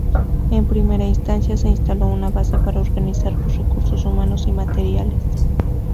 En primera instancia se instaló una base para organizar los recursos humanos y materiales.